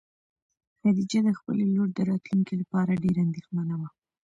خدیجه د خپلې لور د راتلونکي لپاره ډېره اندېښمنه وه.